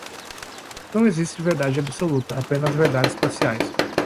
Não existe verdade absoluta, apenas verdades parciais.